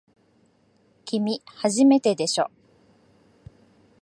きみ、初めてでしょ。